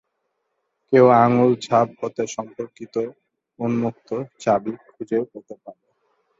কেউ আঙুল-ছাপ হতে সম্পর্কিত উন্মুক্ত-চাবি খুঁজে পেতে পারে।